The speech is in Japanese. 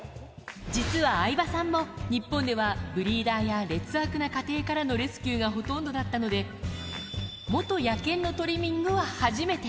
実は相葉さんも、日本ではブリーダーや劣悪な家庭からのレスキューがほとんどだったので、元野犬のトリミングは初めて。